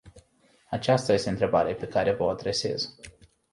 Aceasta este întrebarea pe care v-o adresez.